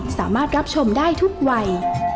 สามารถรับชมได้ทุกวัย